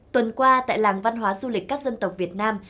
tuần qua tại làng văn hóa du lịch các dân tộc việt nam